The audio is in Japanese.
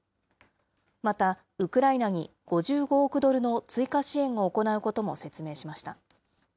また、ウクライナに５５億ドルの追加支援を行うことも説明しました。